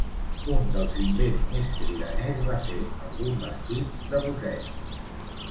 Un dels invents més cridaners va ser el d'un vestit de busseig.